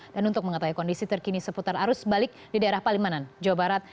dan untuk mengetahui kondisi terkini seputar arus balik di daerah palimanan jawa barat